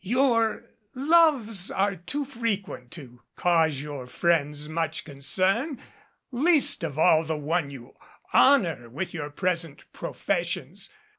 "Your loves are too frequent to cause your friends much concern least of all the one you honor with your present professions.